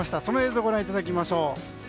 その映像をご覧いただきましょう。